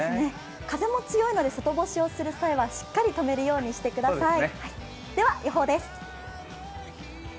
風も強いので、外干しをする際はしっかりとめるようにしてください。